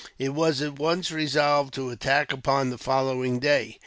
It was at once resolved to attack upon the following day.